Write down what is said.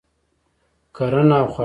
کرنه او خواړه